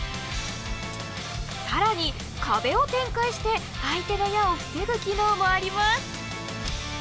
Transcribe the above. さらに壁を展開して相手の矢を防ぐ機能もあります。